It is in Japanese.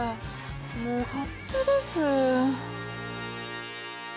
もう勝手です。